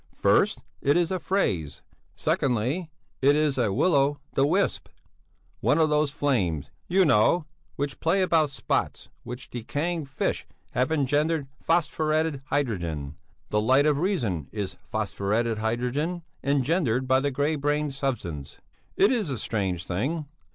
First, it is a phrase, secondly, it is a will o' the wisp; one of those flames, you know, which play about spots where decaying fish have engendered phosphoretted hydrogen; the light of reason is phosphoretted hydrogen engendered by the grey brain substance. It is a strange thing.